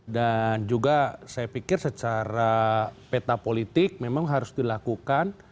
dan juga saya pikir secara peta politik memang harus dilakukan